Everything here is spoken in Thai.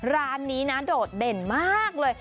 ร้านนี้นะโดดเด่นมากเลย